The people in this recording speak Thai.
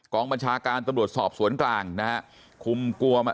กองมัญชาการตำรวจศอบสวนกลางนะฮะ